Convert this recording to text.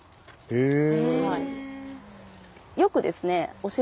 へえ。